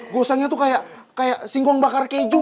gosongnya tuh kayak singgung bakar keju